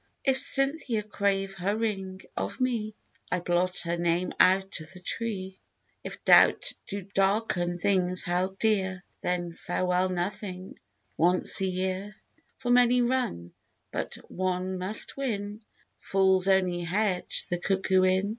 If Cynthia crave her ring of me, I blot her name out of the tree; If doubt do darken things held dear, Then "farewell nothing," once a year: For many run, but one must win; Fools only hedge the cuckoo in.